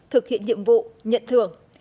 thực hiện nhiệm vụ nhận thưởng